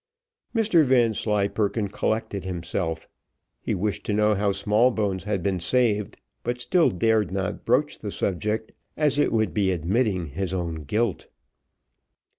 Mr Vanslyperken collected himself he wished to know how Smallbones had been saved, but still dared not broach the subject, as it would be admitting his own guilt.